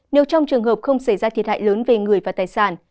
nếu trong trường hợp không xảy ra thiệt hại lớn về người và tài sản